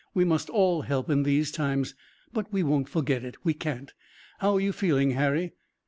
We must all help in these times." "But we won't forget it. We can't. How are you feeling, Harry?"